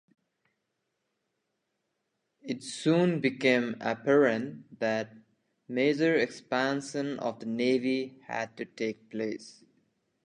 It soon became apparent that major expansion of the navy had to take place.